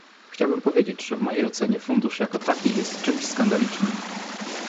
Chciałbym powiedzieć, że w mojej ocenie fundusz jako taki jest czymś skandalicznym